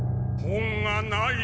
本がない！